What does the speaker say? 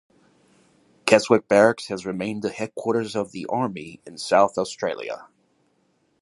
Keswick Barracks has remained the headquarters of the Army in South Australia.